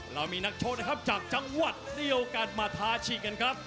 เรามีนักชกนะครับจากจังหวัดได้โอกาสมาทาชิกกันครับ